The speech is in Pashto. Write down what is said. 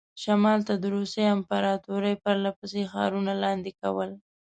شمال ته د روسیې امپراطوري پرله پسې ښارونه لاندې کول.